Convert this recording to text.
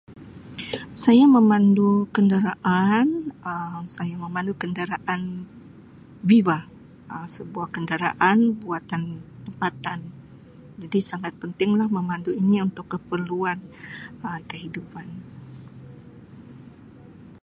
Saya memandu kenderaan Um saya memandu kenderaan Viva Um sebuah kenderaan buatan tempatan jadi sangat penting lah memandu ini untuk keperluan Um kehidupan.